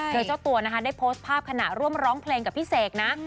โดยเจ้าตัวนะคะได้โพสต์ภาพขณะร่วมร้องเพลงกับพี่เสกนะ